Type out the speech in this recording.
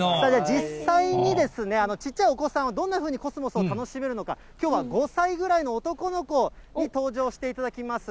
実際にですね、ちっちゃいお子さん、どんなふうにコスモスを楽しめるのか、きょうは５歳ぐらいの男の子に登場していただきます。